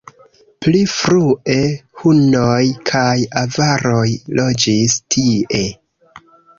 Pli frue hunoj kaj avaroj loĝis tie.